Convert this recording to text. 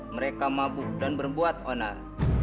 mereka mabuk dan berbuat onar